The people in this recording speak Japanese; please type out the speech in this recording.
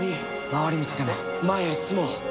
回り道でも前へ進もう。